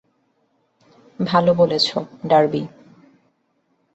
ভালো বলেছো, ডার্বি।